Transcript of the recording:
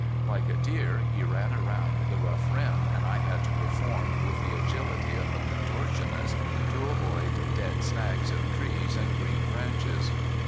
Like a deer he ran around the rough rim, and I had to perform with the agility of a contortionist to avoid dead snags of trees and green branches.